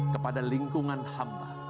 kepada lingkungan hamba